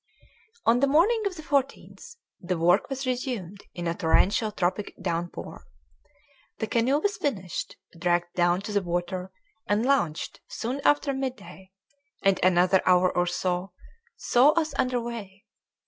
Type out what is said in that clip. On the morning of the 14th the work was resumed in a torrential tropic downpour. The canoe was finished, dragged down to the water, and launched soon after midday, and another hour or so saw us under way.